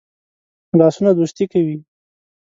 لاسونه دوستی کوي